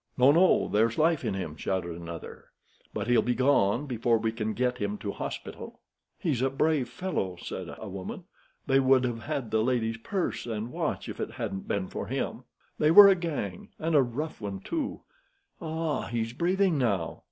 "No, no, there's life in him," shouted another. "But he'll be gone before you can get him to the hospital." "He's a brave fellow," said a woman. "They would have had the lady's purse and watch if it hadn't been for him. They were a gang, and a rough one, too. Ah! he's breathing now."